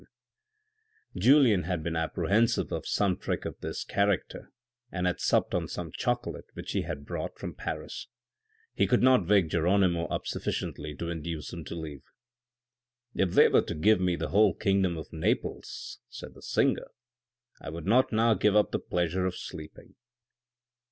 THE CLERGY, THE FORESTS, LIBERTY 399 Julien had been apprehensive of some trick of this charade and had supped on some chocolate which he had brought from Paris. He could not wake Geronimo up sufficiently to induce him to leave. "If they were to give me the whole kingdon of Naples," said the singer, " I would not now give up the pleasure of sleeping."